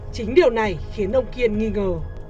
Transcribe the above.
chính điều này khiến ông kiên nghi ngờ